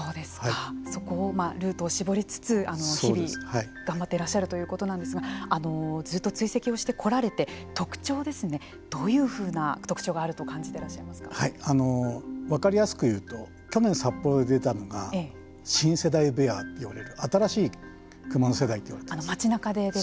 そこをルートを絞りつつ日々頑張っていらっしゃるということですがずっと追跡してこられて特徴ですねどういうふうな特徴があると分かりやすく言うと去年、札幌で出たのが新世代ベアと呼ばれる新しいクマの世代といわれています。